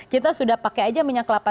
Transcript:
kita sudah pakai aja minyak kelapa